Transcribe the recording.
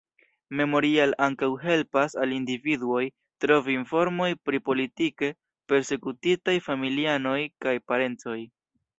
Memorial ankaŭ helpas al individuoj trovi informojn pri politike persekutitaj familianoj kaj parencoj.